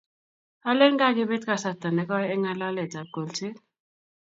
Alen kakebet kasarta ne koi eng' ngalalet ab kolset